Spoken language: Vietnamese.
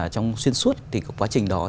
trong xuyên suốt quá trình đó